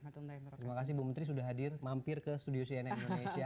terima kasih bu menteri sudah hadir mampir ke studio cnn indonesia